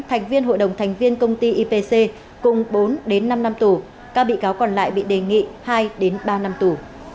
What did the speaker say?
thành viên hội đồng thành viên công ty ipc cùng bốn đến năm năm tù các bị cáo còn lại bị đề nghị hai ba năm tù